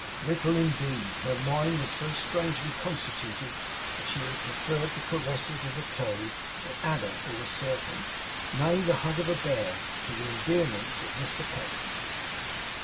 Little, indeed! Her mind was so strangely constituted that she would have preferred the caresses of a toad, an adder, or a serpent nay, the hug of a bear to the endearments of Mr Pecksniff.